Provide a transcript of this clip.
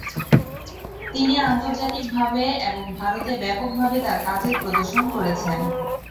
তিনি আন্তর্জাতিকভাবে এবং ভারতে ব্যাপকভাবে তার কাজের প্রদর্শন করেছেন।